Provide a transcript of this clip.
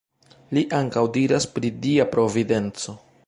Li ankaŭ diras pri Dia Providenco.